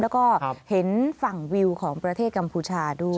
แล้วก็เห็นฝั่งวิวของประเทศกัมพูชาด้วย